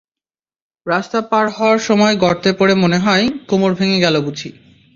রাস্তা পার হওয়ার সময় গর্তে পড়ে মনে হয়, কোমর ভেঙে গেল বুঝি।